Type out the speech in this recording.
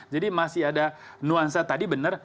jadi masih ada nuansa tadi benar